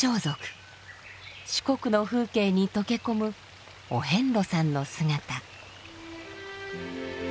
四国の風景にとけこむお遍路さんの姿。